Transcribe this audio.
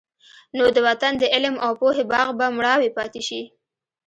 نو د وطن د علم او پوهې باغ به مړاوی پاتې شي.